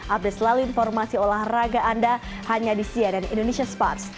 update selalu informasi olahraga anda hanya di cnn indonesia sports